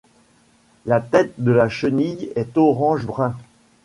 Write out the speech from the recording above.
La tête de la chenille est orange-brun.